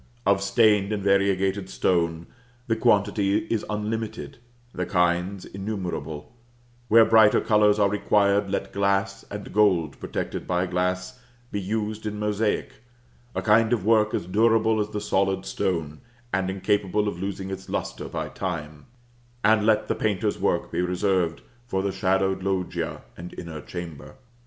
Of stained and variegated stone, the quantity is unlimited, the kinds innumerable; where brighter colors are required, let glass, and gold protected by glass, be used in mosaic a kind of work as durable as the solid stone, and incapable of losing its lustre by time and let the painter's work be reserved for the shadowed loggia and inner chamber.